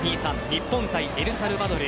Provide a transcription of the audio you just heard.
日本対エルサルバドル。